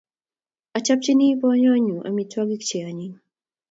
Achapchini boyonyu amitwogik che anyiny